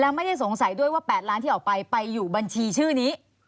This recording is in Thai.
ไม่ได้สงสัยด้วยว่า๘ล้านที่ออกไปไปอยู่บัญชีชื่อนี้